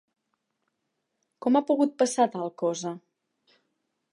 Com ha pogut passar tal cosa?